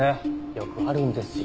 よくあるんですよ。